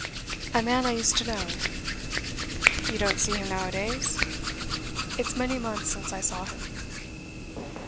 'A man I used to know.' 'You don't see him now a days?' 'It's many months since I saw him.